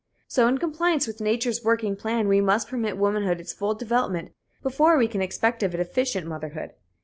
So, in compliance with nature's working plan, we must permit womanhood its full development before we can expect of it efficient motherhood.